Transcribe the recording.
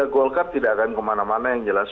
golkar tidak akan kemana mana yang jelas